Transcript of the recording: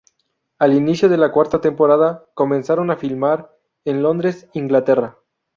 Al inicio de la cuarta temporada comenzaron a filmar en Londres, Inglaterra.